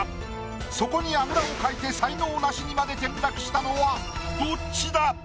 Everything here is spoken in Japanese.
そこにあぐらをかいて才能ナシにまで転落したのはどっちだ